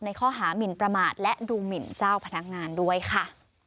ข้อหามินประมาทและดูหมินเจ้าพนักงานด้วยค่ะ